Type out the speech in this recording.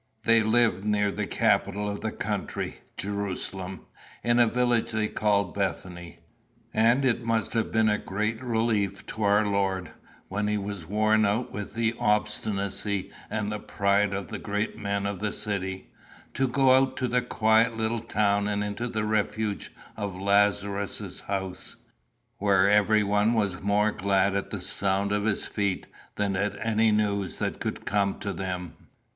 "They lived near the capital of the country, Jerusalem, in a village they called Bethany; and it must have been a great relief to our Lord, when he was worn out with the obstinacy and pride of the great men of the city, to go out to the quiet little town and into the refuge of Lazarus's house, where everyone was more glad at the sound of his feet than at any news that could come to them.